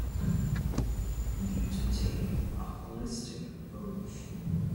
We need to take a holistic approach.